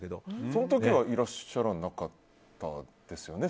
その時はいらっしゃらなかったですよね。